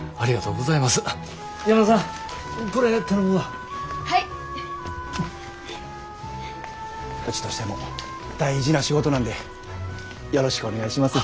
うちとしても大事な仕事なんでよろしくお願いします。